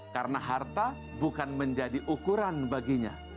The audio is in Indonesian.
karena harta bukan menjadi ukuran baginya